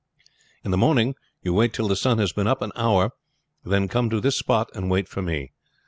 In the morning you wait till the sun has been up an hour, then come to this spot and wait for me.